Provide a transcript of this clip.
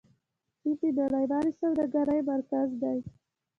چین د نړیوالې سوداګرۍ مرکز دی.